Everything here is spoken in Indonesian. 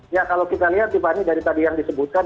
ya kalau kita lihat tiffany dari tadi yang disebutkan